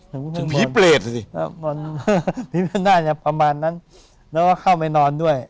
ถึงพิเภทสิพิเภทหน้าเนี้ยประมาณนั้นแล้วก็เข้าไปนอนด้วย